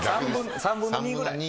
３分の２ぐらい。